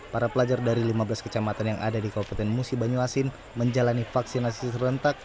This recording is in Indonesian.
para pelajar dari lima belas kecamatan yang ada di kabupaten musi banyuasin menjalani vaksinasi serentak